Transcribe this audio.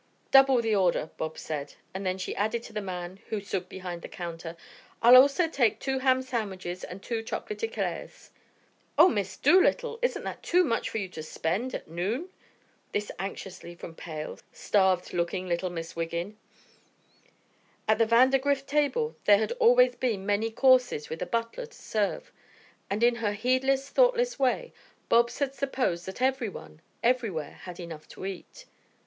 "Double the order," Bobs said, and then she added to the man who stood behind the counter: "I'll also take two ham sandwiches and two chocolate eclairs." "Oh, Miss Dolittle, isn't that too much for you to spend at noon?" This anxiously from pale, starved looking little Miss Wiggin. At the Vandergrift table there had always been many courses with a butler to serve, and in her heedless, thoughtless way, Bobs had supposed that everyone, everywhere, had enough to eat.